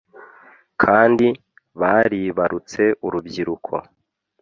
Kandi baribarutse urubyiruko